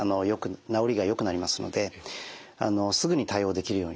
治りがよくなりますのですぐに対応できるようにですね